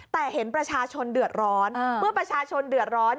แต่เห็นประชาชนเดือดร้อนเมื่อประชาชนเดือดร้อน